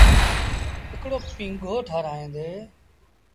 هڪڙو پيٚنگو ٺآرآيآندي۔